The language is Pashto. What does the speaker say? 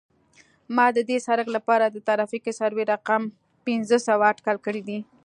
ما د دې سرک لپاره د ترافیکي سروې رقم پنځه سوه اټکل کړی دی